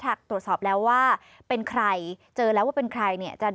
ถ้าตรวจสอบแล้วว่าเป็นใครเจอแล้วว่าเป็นใครเนี่ย